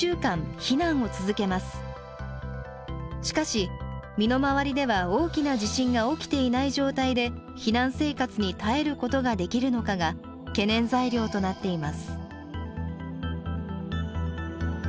しかし身の回りでは大きな地震が起きていない状態で避難生活に耐えることができるのかが懸念材料となっています。